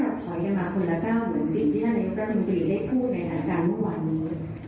ได้พบนัยหลักการว่านี้